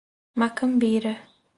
Macambira